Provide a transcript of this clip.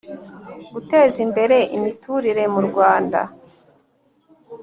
guteza imbere imiturire mu Rwanda